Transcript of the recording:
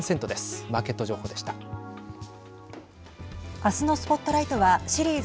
明日のＳＰＯＴＬＩＧＨＴはシリーズ